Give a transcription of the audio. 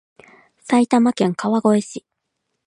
埼玉県川越市